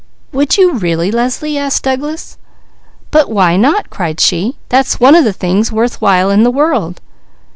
"Would you really, Leslie?" asked Douglas. "But why not?" cried she. "That's one of the things worth while in the world."